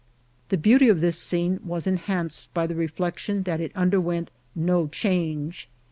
The beauty of this scene was enhanced by the reflection that it underwent no change.